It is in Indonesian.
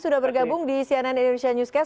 sudah bergabung di cnn indonesia newscast